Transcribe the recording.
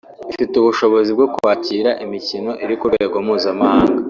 ifite ubushobozi bwo kwakira imikino iri ku rwego mpuzamahanga